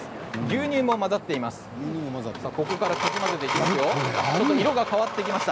牛乳も混ざっています。